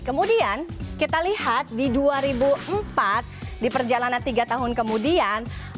kemudian kita lihat di dua ribu empat di perjalanan tiga tahun kemudian